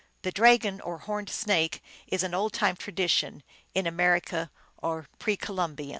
The dragon, or horned snake, is an old time tradition in America, or pre Columbian.